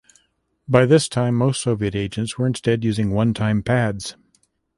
By this time, most Soviet agents were instead using one-time pads.